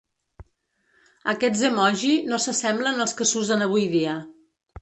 Aquests emoji no s’assemblen als que s’usen avui dia.